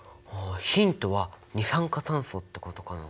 ヒントは二酸化炭素ってことかな。